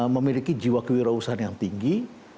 memiliki jiwa kewirausahaan yang tinggi